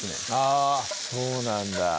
あそうなんだ